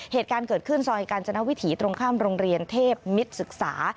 เหตุการณ์เกิดขึ้นซอยกาญจนวิถีตรงข้ามโรงเรียนเทพมิตรศึกษา